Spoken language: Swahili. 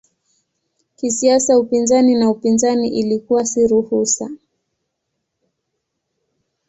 Kisiasa upinzani na upinzani ilikuwa si ruhusa.